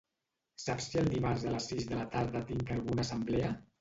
Saps si el dimarts a les sis de la tarda tinc alguna assemblea?